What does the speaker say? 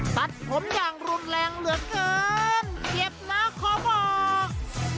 ตัดผมอย่างรุนแรงเหลือเกินเจ็บนะขอบอก